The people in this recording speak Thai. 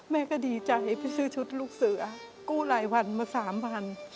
แม่ก็ดีใจไปซื้อชุดลูกเสือกู้หลายวันมา๓๐๐บาท